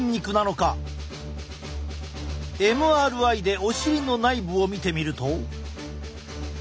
ＭＲＩでお尻の内部を見てみると。